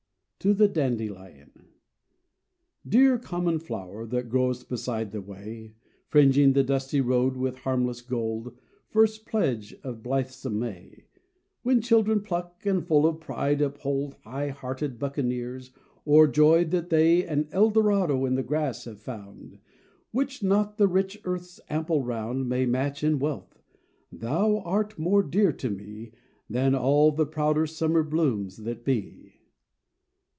TO THE DANDELION Dear common flower, that grow'st beside the way, Fringing the dusty road with harmless gold, First pledge of blithesome May, Which children pluck, and, full of pride, uphold, High hearted buccaneers, o'erjoyed that they An Eldorado in the grass have found, Which not the rich earth's ample round May match in wealth thou art more dear to me Than all the prouder summer blooms that be.